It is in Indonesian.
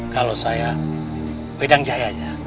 kalau saya wedang jahe aja